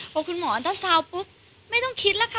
พอคุณหมอถ้าซาวปุ๊บไม่ต้องคิดแล้วค่ะ